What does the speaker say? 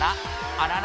あらら？